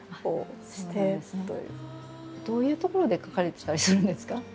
どういう所で書かれてたりするんですか？